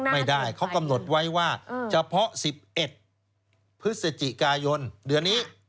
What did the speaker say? ไม่ได้เขากำหนดไว้ว่าเฉพาะ๑๑พฤศจิกายนเดือนนี้